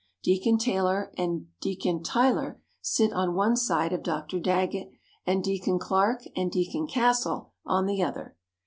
Deacon Taylor and Deacon Tyler sit on one side of Dr. Daggett and Deacon Clarke and Deacon Castle on the other.